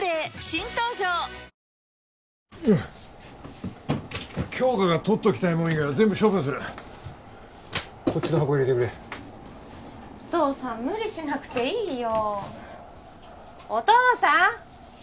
新登場杏花がとっておきたいもの以外は全部処分するこっちの箱入れてくれお父さん無理しなくていいよお父さん！